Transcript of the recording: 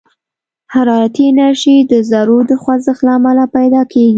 حرارتي انرژي د ذرّو د خوځښت له امله پيدا کېږي.